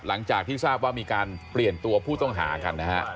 หลังจากที่ทราบว่ามีการเปลี่ยนตัวผู้ต้องหากันนะฮะ